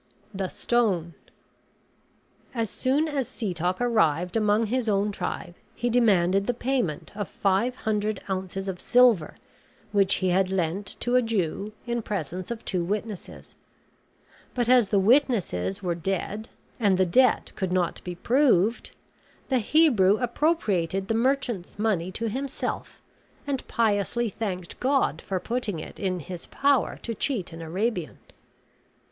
THE STONE As soon as Setoc arrived among his own tribe he demanded the payment of five hundred ounces of silver, which he had lent to a Jew in presence of two witnesses; but as the witnesses were dead, and the debt could not be proved, the Hebrew appropriated the merchant's money to himself, and piously thanked God for putting it in his power to cheat an Arabian.